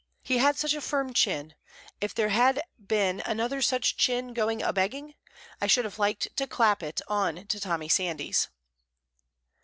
He had such a firm chin, if there had been another such chin going a begging, I should have liked to clap it on to Tommy Sandys.